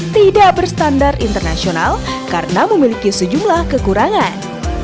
tidak berstandar internasional karena memiliki sejumlah kekurangan